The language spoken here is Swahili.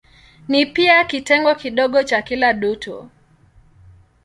Ni pia kitengo kidogo cha kila dutu.